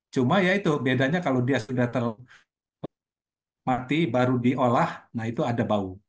cuma ya itu bedanya kalau dia sudah termati baru diolah nah itu ada bau